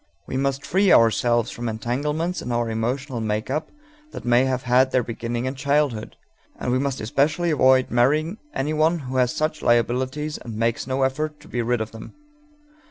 We must free ourselves from entanglements in our emotional make up that may have had their beginning in childhood, and we must especially avoid marrying anyone who has such liabilities and makes no effort to be rid of them.